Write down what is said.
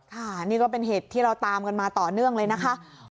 ค่ะนี่ก็เป็นเหตุที่เราตามกันมาต่อเนื่องเลยนะคะ